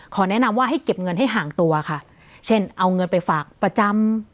แนะนำว่าให้เก็บเงินให้ห่างตัวค่ะเช่นเอาเงินไปฝากประจำ